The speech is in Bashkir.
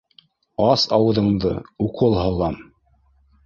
Ас ауыҙыңды, укол һалам!